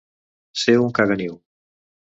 Ser un caganiu.